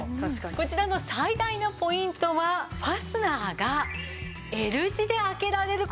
こちらの最大のポイントはファスナーがＬ字で開けられる事なんです。